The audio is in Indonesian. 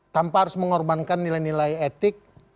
tanpa harus mengorbankan nilai nilai etik